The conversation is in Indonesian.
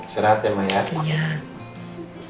selamat ya mak